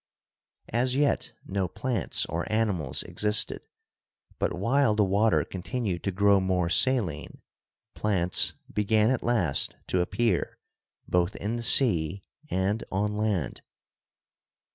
As yet no plants or animals existed. But while the water continued to grow more saline, plants began at last to appear both in the sea and on land.